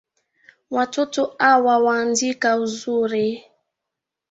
Watoto awa waandika uzuri